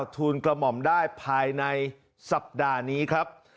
ทูลกระหม่อมได้ภายในสัปดาห์นี้ครับ